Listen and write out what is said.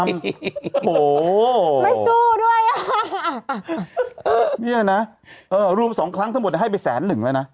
โหมาสู้ด้วยนี่นะเอ่อรวมสองครั้งทั้งหมดให้ไปแสนหนึ่งแล้วนะ